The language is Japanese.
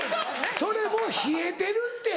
それもう冷えてるって。